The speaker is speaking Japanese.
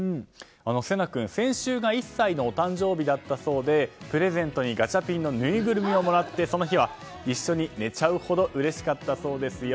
聖梛君、先週が１歳のお誕生日だったそうでプレゼントにガチャピンのぬいぐるみをもらってその日は一緒に寝ちゃうほどうれしかったそうですよ。